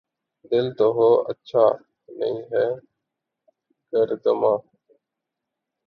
دل تو ہو‘ اچھا‘ نہیں ہے گر دماغ